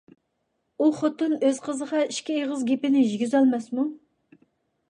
ئۇ خوتۇن ئۆز قىزىغا ئىككى ئېغىز گېپىنى يېگۈزەلمەسمۇ؟